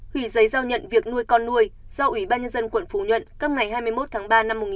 hủy giấy giao nhận việc nuôi con nuôi do ủy ban nhân dân quận phú nhuận cấp ngày hai mươi một tháng ba năm một nghìn chín trăm bảy mươi